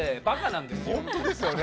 ほんとですよね。